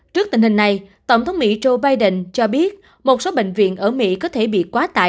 trước tình hình này tổng thống mỹ joe biden cho biết một số bệnh viện ở mỹ có thể bị quá tải